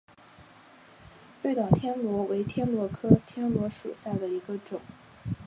绿岛天螺为天螺科天螺属下的一个种。